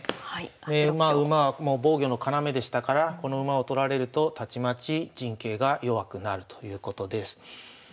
まあ馬はもう防御の要でしたからこの馬を取られるとたちまち陣形が弱くなるということです。